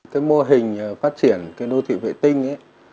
cái mô hình phát triển cái đô thị vệ tinh ấy